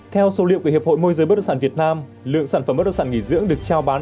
theo số liệu của hiệp hội môi giới bất động sản việt nam lượng sản phẩm bất động sản nghỉ dưỡng được trao bán